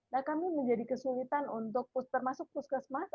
nah kami menjadi kesulitan untuk termasuk puskesmas